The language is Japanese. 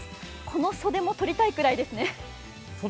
この袖も取りたいくらいですね。